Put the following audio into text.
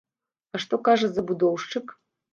А што кажа забудоўшчык?